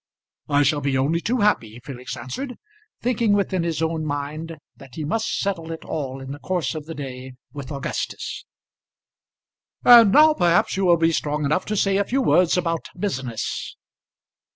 "I shall be only too happy," Felix answered, thinking within his own mind that he must settle it all in the course of the day with Augustus. "And now perhaps you will be strong enough to say a few words about business."